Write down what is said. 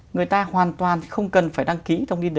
người ta hoàn toàn không cần phải đăng ký thông tin đó